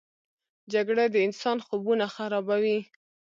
جګړه د انسان خوبونه خرابوي